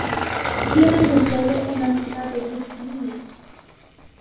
Tiene su sede en la ciudad de Gdynia.